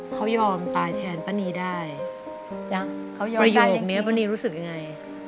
เขายอมตายแทนป้านีได้ประโยคนี้ป้านีรู้สึกยังไง